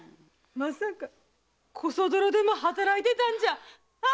まさかこそ泥でも働いてたんじゃ。